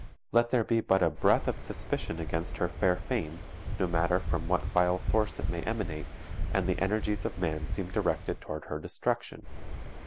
Let there be but a breath of suspicion against her fair fame, no matter from what vile source it may emanate, and the energies of man seem directed toward her destruction.